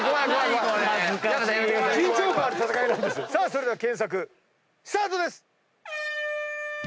それでは検索スタートです！